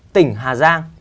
tỉnh hà giang